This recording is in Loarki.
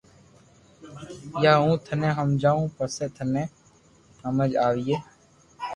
يا ھون ٿني ھمجاوُ پسي ٿني ھمج آوئي